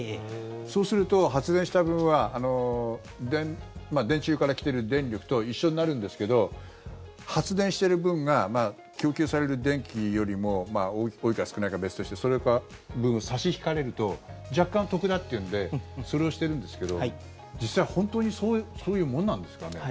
そうすると、発電した分は電柱から来てる電力と一緒になるんですけど発電してる分が供給される電気よりも多いか少ないかは別として差し引かれると若干得だっていうんでそれをしてるんですけど実際、本当にそういうものなんですかね？